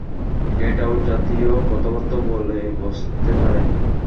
Gate out জাতীয় কথাবার্তাও বলে বসতে পারেন।